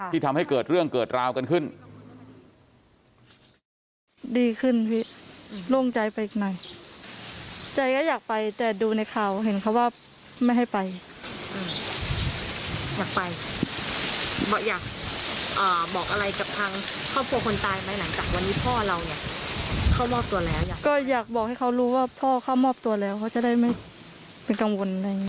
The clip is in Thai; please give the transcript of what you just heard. ทำให้เกิดเรื่องเกิดราวกันขึ้น